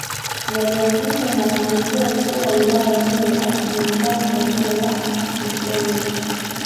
Yalianzishwa na aliyekuwa mkuu wa wilaya hiyo akijulikana kwa jina la Msonge